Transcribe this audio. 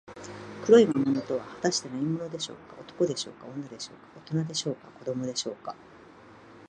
黒い魔物とは、はたして何者でしょうか。男でしょうか、女でしょうか、おとなでしょうか、子どもでしょうか。